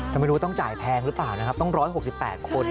ทำไมรู้ว่าต้องจ่ายแพงหรือเปล่านะครับต้องร้อยหกสิบแปดคน